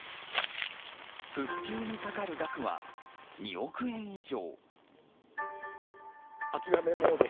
復旧にかかる額は２億円以上。